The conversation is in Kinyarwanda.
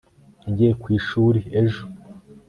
yagiye ku ishuri ejo